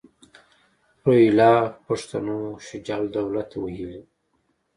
روهیله پښتنو شجاع الدوله ته ویلي.